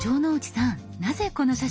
なぜこの写真を？